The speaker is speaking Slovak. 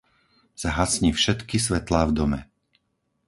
Zhasni všetky svetlá v dome.